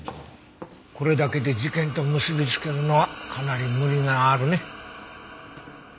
これだけで事件と結びつけるのはかなり無理があるね。